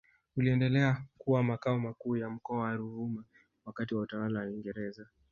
uliendelea kuwa Makao makuu ya Mkoa wa Ruvuma wakati wa utawala wa Waingereza